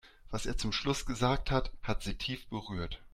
Was er zum Schluss gesagt hat, hat sie tief berührt.